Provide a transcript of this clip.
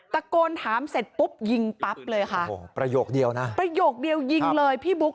ตะโกนถามเสร็จปุ๊บยิงปั๊บเลยค่ะโอ้โหประโยคเดียวนะประโยคเดียวยิงเลยพี่บุ๊ค